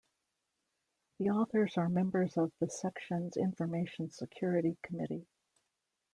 The authors are members of the Section's Information Security Committee.